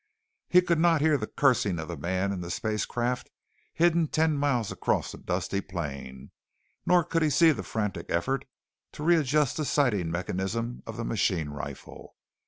He could not hear the cursing of the man in the spacecraft hidden ten miles across the dusty plain, nor could he see the frantic effort to readjust the sighting mechanism of the machine rifle.